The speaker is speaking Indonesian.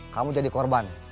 kamu jadi korban